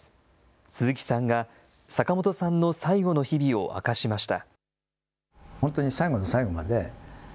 鈴木さんが坂本さんの最後の日々を明かしました。